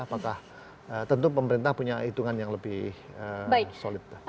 apakah tentu pemerintah punya hitungan yang lebih solid